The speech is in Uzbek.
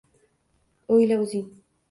O’yla o’zing